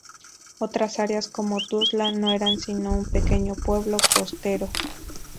Otras áreas como Tuzla no eran sino un pequeño pueblo costero.